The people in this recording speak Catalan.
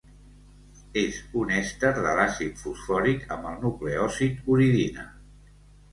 És un èster de l'àcid fosfòric amb el nucleòsid uridina.